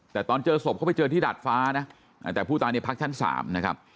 แต่ตอนเจอศพเขาไปเจอที่ดาดฟ้านะแต่ผู้ตายเนี่ยพักชั้น๓นะครับ